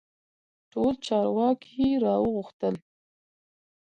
ټول چارواکي را وغوښتل.